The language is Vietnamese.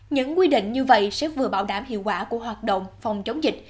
những quy định như vậy sẽ vừa bảo đảm hiệu quả của hoạt động phòng chống dịch